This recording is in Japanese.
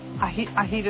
アヒル。